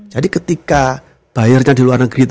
jadi ketika bayarnya di luar negeri